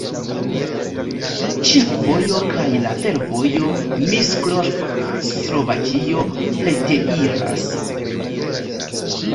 Ĉefvojo kaj la fervojo Miskolc-Slovakio preteriras.